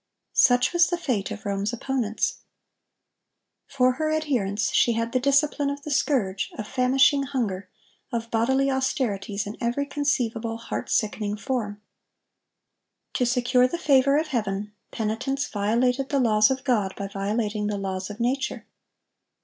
Such was the fate of Rome's opponents. For her adherents she had the discipline of the scourge, of famishing hunger, of bodily austerities in every conceivable, heart sickening form. To secure the favor of Heaven, penitents violated the laws of God by violating the laws of nature.